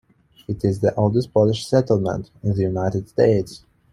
It is the oldest Polish settlement in the United States.